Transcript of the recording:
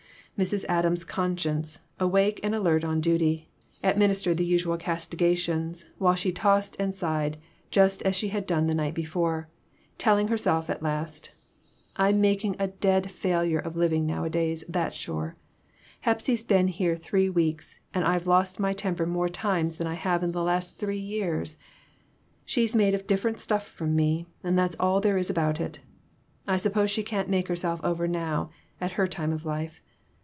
72 PERTURBATIONS. Mrs. Adams' conscience, awake and alert on duty, administered the usual castigations, while she tossed and sighed, just as she had done the night before, telling herself at last "I'm making a dead failure of living nowadays, that's sure. Hepsy's been here three weeks, and I've lost my temper more times than I have in the last three years. She's made of different stuff from me, and that's all there is about it. I suppose she can't make herself over now, at her time of life.